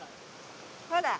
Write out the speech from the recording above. ほら。